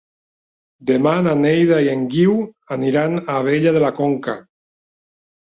Demà na Neida i en Guiu aniran a Abella de la Conca.